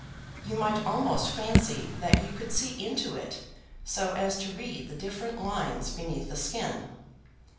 You might almost fancy that you could see into it so as to read the different lines beneath the skin.